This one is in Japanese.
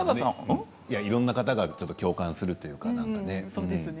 いろんな方が共感するというか。